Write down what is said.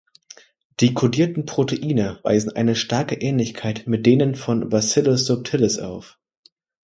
Die codierten Proteine weisen eine starke Ähnlichkeit mit denen von "Bacillus subtilis" auf.